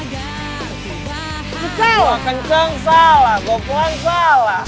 gue kenceng salah gue pelan salah